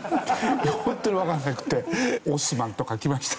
ホントにわかんなくてオスマンと書きました。